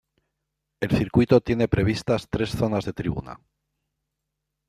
El circuito tiene previstas tres zonas de tribuna.